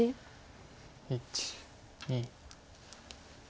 １２。